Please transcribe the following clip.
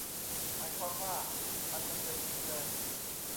หมายความว่ามันไม่เคยจริงเลย